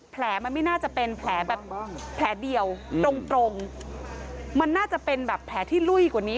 แผลมันไม่น่าจะเป็นแผลแบบแผลเดียวตรงตรงมันน่าจะเป็นแบบแผลที่ลุ้ยกว่านี้